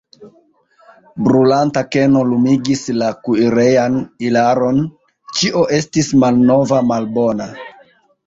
Brulanta keno lumigis la kuirejan ilaron, ĉio estis malnova, malbona.